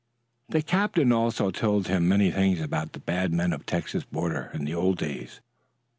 The captain also told him many things about the bad men of the Texas border in the old days.